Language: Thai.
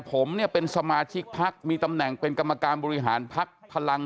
ผมเนี่ยเป็นสมาชิกพักมีตำแหน่งเป็นกรรมการบริหารพักพลัง